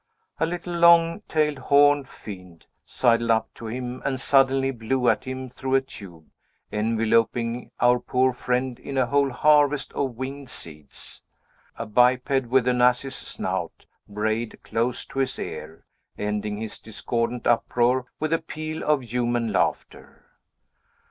A little, long tailed, horned fiend sidled up to him and suddenly blew at him through a tube, enveloping our poor friend in a whole harvest of winged seeds. A biped, with an ass's snout, brayed close to his ear, ending his discordant uproar with a peal of human laughter.